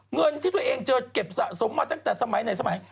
เงินที่ตัวเองเจอเก็บสะสมมาตั้งแต่สมัยไหนสมัย